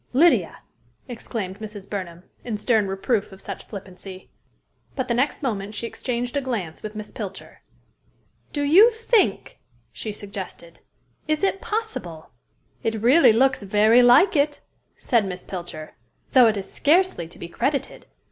"Lydia!" exclaimed Mrs. Burnham, in stern reproof of such flippancy. But, the next moment, she exchanged a glance with Miss Pilcher. "Do you think" she suggested. "Is it possible" "It really looks very like it," said Miss Pilcher; "though it is scarcely to be credited.